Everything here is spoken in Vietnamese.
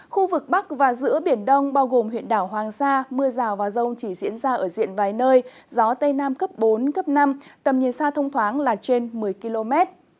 khu vực bắc và giữa biển đông bao gồm huyện đảo hoàng sa mưa rào và rông chỉ diễn ra ở diện vài nơi gió tây nam cấp bốn cấp năm tầm nhìn xa thông thoáng là trên một mươi km